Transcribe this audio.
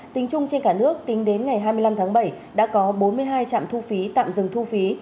tính chung trên cả nước tính đến ngày hai mươi năm tháng bảy đã có bốn mươi hai trạm thu phí tạm dừng thu phí